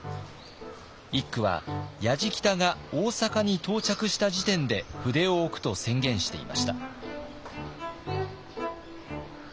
一九はやじきたが大坂に到着した時点で筆を置くと宣言していました。